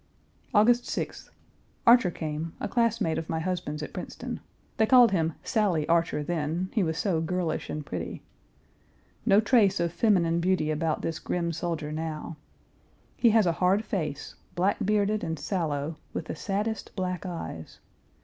August 6th. Archer came, a classmate of my husband's at Princeton; they called him Sally Archer then, he was so girlish and pretty. No trace of feminine beauty about this grim soldier now. He has a hard face, black bearded and sallow, with the saddest black eyes.